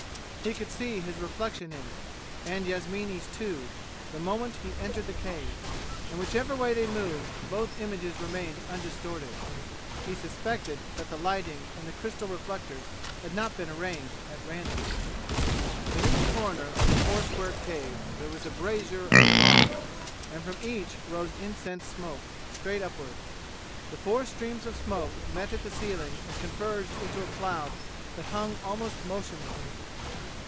He could see his reflection in it, and Yasmini's, too, the moment he entered the cave, and whichever way they moved both images remained undistorted. He suspected that the lighting and the crystal reflectors had not been arranged at random. In each corner of the four square cave there was a brazier of bronze, and from each rose incense smoke, straight upward. The four streams of smoke met at the ceiling and converged into a cloud that hung almost motionless.